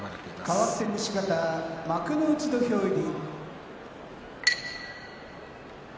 かわって西方幕内土俵入り。